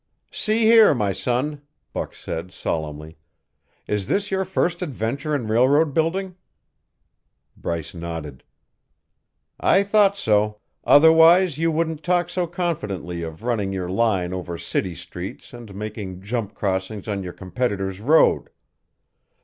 "See here, my son," Buck said solemnly, "is this your first adventure in railroad building?" Bryce nodded. "I thought so; otherwise you wouldn't talk so confidently of running your line over city streets and making jump crossings on your competitor's road.